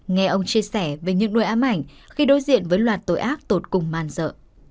nghe ông chia sẻ về những nỗi ám ảnh khi đối diện với loạt tội ác tội cùng man dợ